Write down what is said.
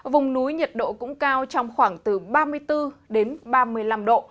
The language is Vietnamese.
vùng núi nhiệt độ cũng cao trong khoảng từ ba mươi bốn đến ba mươi năm độ